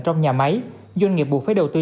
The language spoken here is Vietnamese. trong nhà máy doanh nghiệp buộc phải đầu tư